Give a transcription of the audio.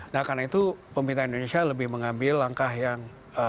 nah karena itu pemerintah indonesia lebih mengambil langkah yang